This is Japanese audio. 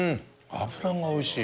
脂がおいしい！